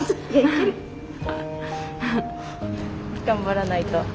頑張らないと。